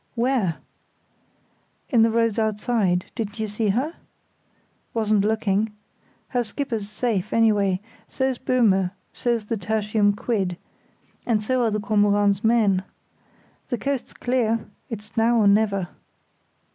"Where?" "In the roads outside—didn't you see her?" "Wasn't looking. Her skipper's safe anyway; so's Böhme, so's the Tertium Quid, and so are the Kormoran's men. The coast's clear—it's now or never."